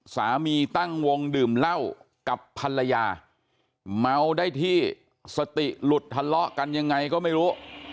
สามีตั้งวงดื่มเหล้ากับภรรยาเมาได้ที่สติหลุดทะเลาะกันยังไงก็ไม่รู้